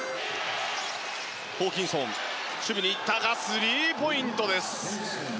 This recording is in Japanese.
ホーキンソン、守備に行ったがスリーポイントです。